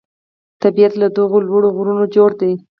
طبیعت له دغو لوړو غرونو جوړ دی.